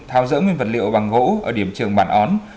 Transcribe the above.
tháo rỡ nguyên vật liệu bằng gỗ ở điểm trường bản ón